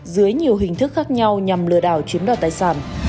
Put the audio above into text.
dưới nhiều hình thức khác nhau nhằm lừa đảo chiếm đoạt tài sản